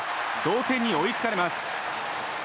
同点に追いつかれます。